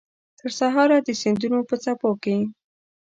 ترسهاره د سیندونو په څپو کې